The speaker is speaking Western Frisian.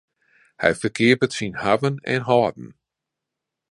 Hy ferkeapet syn hawwen en hâlden.